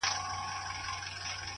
ساقي پر ملا را خمه سه پر ملا در مات دی؛